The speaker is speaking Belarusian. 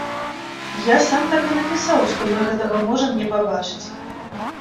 Я сам так і напісаў, што мы гэтага можам не пабачыць.